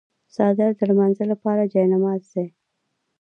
څادر د لمانځه لپاره جای نماز دی.